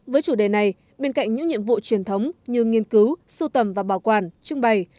với chủ đề này bên cạnh những nhiệm vụ truyền thống như nghiên cứu sưu tầm và bảo quản trưng bày